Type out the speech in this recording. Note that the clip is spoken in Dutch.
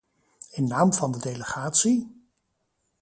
In naam van de delegatie..